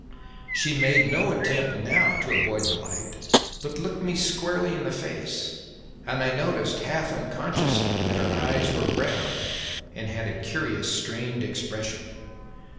She made no attempt now to avoid the light, but looked me squarely in the face, and I noticed, half unconsciously, that her eyes were brown and had a curious strained expression.